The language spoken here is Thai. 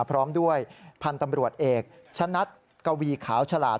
พร้อมด้วยพันธุ์ตำรวจเอกชะนัดกวีขาวฉลาด